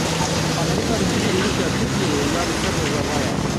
Amerîka li dijî êrişa Tirkiyeyê ya li ser Rojava ye.